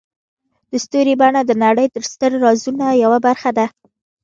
د ستوري بڼه د نړۍ د ستر رازونو یوه برخه ده.